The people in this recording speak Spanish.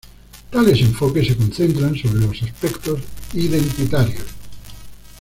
Tales enfoques se concentran sobre los aspectos identitarios.